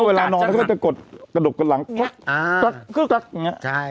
เวลานอนเขาก็จะกดกระดกดหลังอย่างนี้